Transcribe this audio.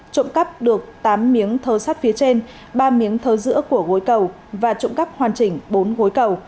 trộm cắp được tám miếng thơ sắt phía trên ba miếng thơ giữa của gối cầu và trộm cắp hoàn chỉnh bốn gối cầu